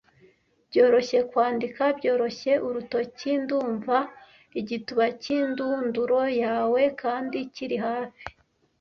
Byoroshye kwandika byoroshye urutoki -ndumva igituba cyindunduro yawe kandi kiri hafi.